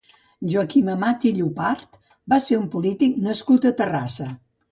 Joaquim Amat i Llopart va ser un polític nascut a Terrassa.